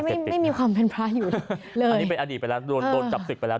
ไม่ไม่มีความเป็นพระอยู่เลยนะก็ใจ